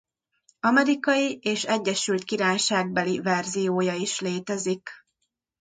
Amerikai és Egyesült Királyságbeli verziója is létezik.